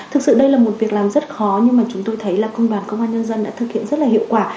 thực sự đây là một việc làm rất khó nhưng mà chúng tôi thấy là công đoàn công an nhân dân đã thực hiện rất là hiệu quả